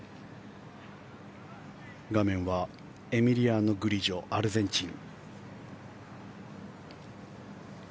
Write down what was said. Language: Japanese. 画面はエミリアノ・グリジョアルゼンチン。